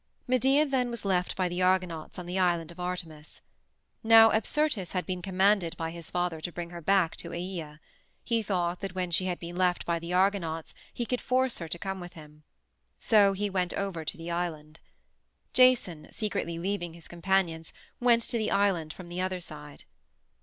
Medea then was left by the Argonauts on the island of Artemis. Now Apsyrtus had been commanded by his father to bring her back to Aea; he thought that when she had been left by the Argonauts he could force her to come with him. So he went over to the island. Jason, secretly leaving his companions, went to the island from the other side.